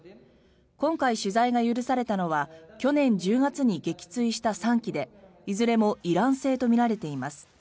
今回取材が許されたのは去年１０月に撃墜した３機でいずれもイラン製とみられています。